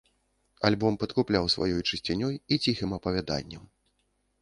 Альбом падкупляў сваёй чысцінёй і ціхім апавяданнем.